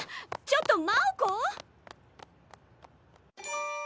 ちょっと真央子？